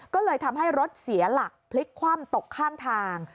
ก็เลยทำให้รถเสียหลักพลิกคว่ำตกข้างทาง